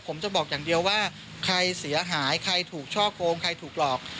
ผมจะบอกอย่างเดียวว่าใครเสียหายใครถูกช่อโกงใครถูกหลอก